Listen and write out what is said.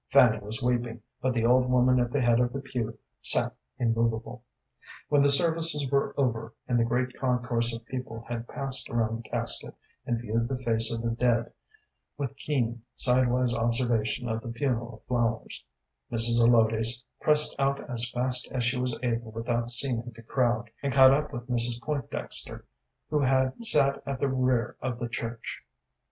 Fanny was weeping, but the old woman at the head of the pew sat immovable. When the services were over, and the great concourse of people had passed around the casket and viewed the face of the dead, with keen, sidewise observation of the funeral flowers, Mrs. Zelotes pressed out as fast as she was able without seeming to crowd, and caught up with Mrs. Pointdexter, who had sat in the rear of the church.